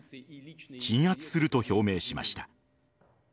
鎮圧すると表明しました。